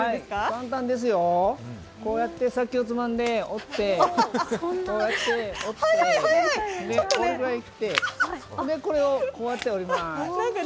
簡単ですよ、こうやって先をつまんで折って、これぐらいに切って、これをこうやって折ります。